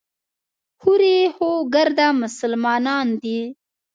هورې خو ګرده مسلمانان دي.